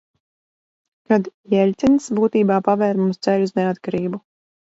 Kad Jeļcins būtībā pavēra mums ceļu uz neatkarību.